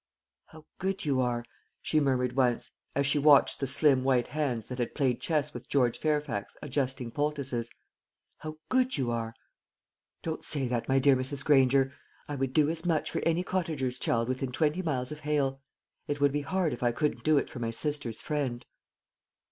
"How good you are!" she murmured once, as she watched the slim white hands that had played chess with George Fairfax adjusting poultices "how good you are!" "Don't say that, my dear Mrs. Granger. I would do as much for any cottager's child within twenty miles of Hale; it would be hard if I couldn't do it for my sister's friend."